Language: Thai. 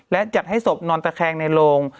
และจัดให้ศพนอนตะแคงในโรง